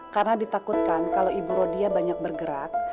karena ditakutkan kalau ibu rodia banyak bergerak